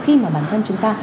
khi mà bản thân chúng ta